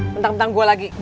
mentang mentang gue lagi